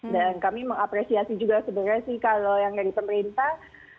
dan kami mengapresiasi juga sebenarnya sih kalau yang dari pemerintah